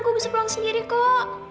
aku bisa pulang sendiri kok